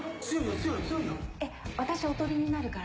私、おとりになるから。